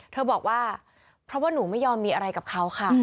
เธอบอกว่าเพราะว่าหนูไม่ยอมมีอะไรกับเขาค่ะ